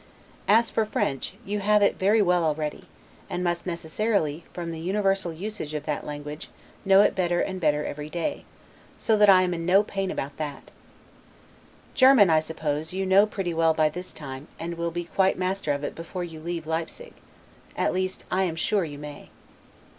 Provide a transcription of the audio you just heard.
As for French, you have it very well already; and must necessarily, from the universal usage of that language, know it better and better every day: so that I am in no pain about that: German, I suppose, you know pretty well by this time, and will be quite master of it before you leave Leipsig: at least, I am sure you may.